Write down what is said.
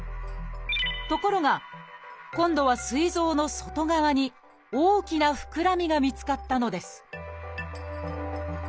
ところが今度はすい臓の外側に大きな膨らみが見つかったのです